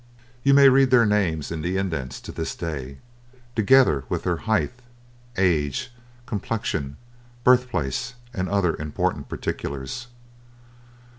You may read their names in the Indents to this day, together with their height, age, complexion, birthplace, and other important particulars.